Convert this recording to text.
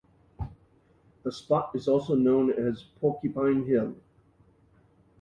The spot is also known as Porcupine Hill.